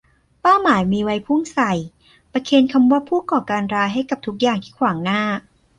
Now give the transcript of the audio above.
เป้าหมายมีไว้พุ่งใส่ ประเคนคำว่าผู้ก่อการร้ายให้กับทุกอย่างที่ขวางหน้า